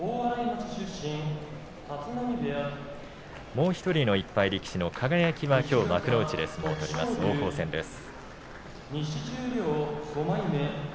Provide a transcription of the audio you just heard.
もう１人の１敗力士の輝は幕内で相撲を取ります。